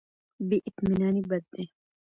بې اطمیناني بد دی.